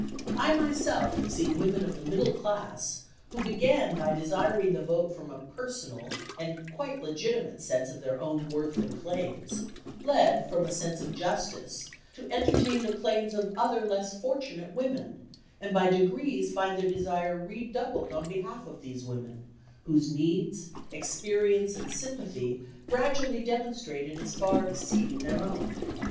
I myself have seen women of the middle class, who began by desiring the vote from a personal and quite legitimate sense of their own worth and claims, led, from a sense of justice, to entertain the claims of other less fortunate women, and by degrees find their desire redoubled on behalf of these women, whose needs, experience and sympathy gradually demonstrated as far exceeding their own.